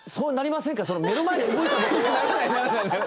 目の前で動いたことを。